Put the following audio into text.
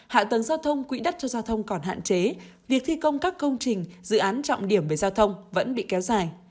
hạ tầng giao thông quỹ đất cho giao thông còn hạn chế việc thi công các công trình dự án trọng điểm về giao thông vẫn bị kéo dài